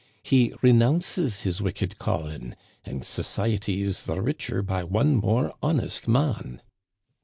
He renounces his wicked calling, and society is the richer by one more honest man."